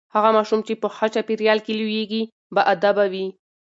هغه ماشوم چې په ښه چاپیریال کې لوییږي باادبه وي.